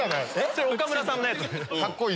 それ岡村さんのやつ。